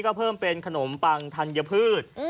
ก็เพิ่มเป็นขนมปังธัญพืช